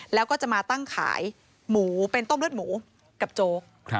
แล้วก็จะมาตั้งขายหมูเป็นต้มเลือดหมูกับโจ๊ก